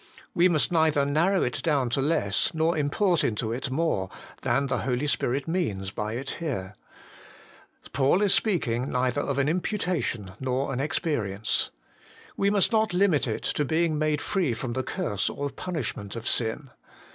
We must neither narrow it down to less, nor import into it more, than the Holy Spirit means by it here. Paul is speaking neither of an imputation nor an HOLINESS AND LIBERTY. 177 experience. We must not limit it to being made free from the curse or punishment of sin.